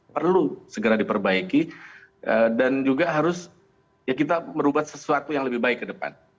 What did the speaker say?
perlu segera diperbaiki dan juga harus ya kita merubah sesuatu yang lebih baik ke depan